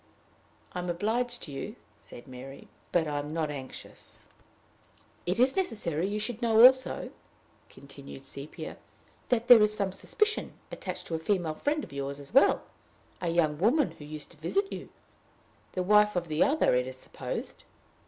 "I am obliged to you," said Mary, "but I am not anxious." "It is necessary you should know also," continued Sepia, "that there is some suspicion attaching to a female friend of yours as well, a young woman who used to visit you the wife of the other, it is supposed.